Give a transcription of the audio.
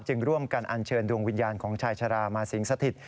ร่วมกันอันเชิญดวงวิญญาณของชายชะลามาสิงสถิต